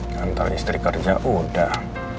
kantor istri kerja udah